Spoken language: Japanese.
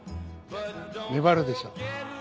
粘るでしょ？